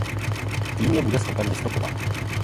Tím je bude schopen vystopovat.